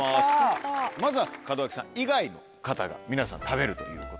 まずは門脇さん以外の方が皆さん食べるということで。